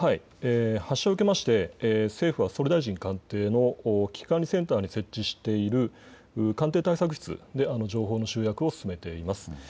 発射を受けまして政府は総理大臣官邸の危機管理センターに設置している官邸対策室で情報の集約を進めています。